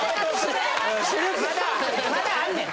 まだあんねん！